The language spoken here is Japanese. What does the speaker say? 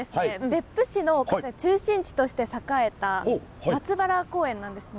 別府市の中心地として栄えた松原公園なんですね。